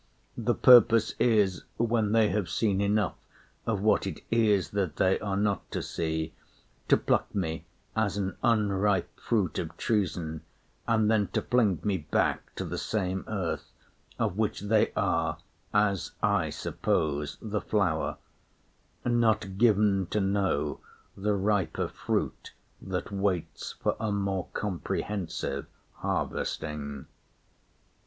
The purpose is, when they have seen enough Of what it is that they are not to see, To pluck me as an unripe fruit of treason, And then to fling me back to the same earth Of which they are, as I suppose, the flower Not given to know the riper fruit that waits For a more comprehensive harvesting.